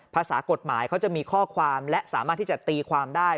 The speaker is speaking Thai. ภาษากฎหมายเขาจะมีข้อความและสามารถที่จะตีความได้